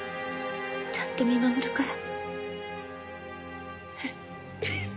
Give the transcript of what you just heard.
ちゃんと見守るから。